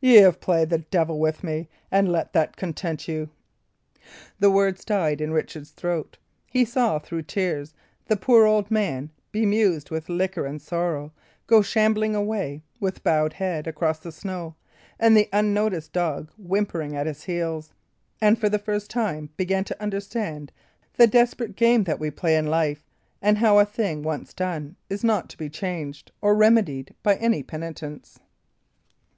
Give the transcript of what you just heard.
Y' have played the devil with me, and let that content you." The words died in Richard's throat. He saw, through tears, the poor old man, bemused with liquor and sorrow, go shambling away, with bowed head, across the snow, and the unnoticed dog whimpering at his heels, and for the first time began to understand the desperate game that we play in life; and how a thing once done is not to be changed or remedied, by any penitence.